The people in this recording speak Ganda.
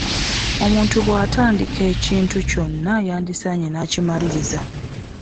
Omuntu bw'atandika ekintu kyonna yandissaanye n'akimaliriza.